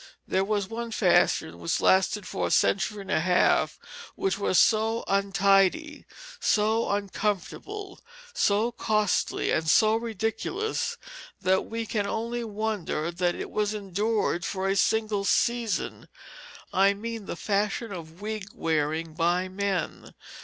There was one fashion which lasted for a century and a half which was so untidy, so uncomfortable, so costly, and so ridiculous that we can only wonder that it was endured for a single season I mean the fashion of wig wearing by men.